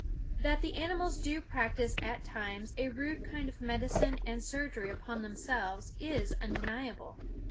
That the animals do practice at times a rude kind of medicine and surgery upon themselves is undeniable.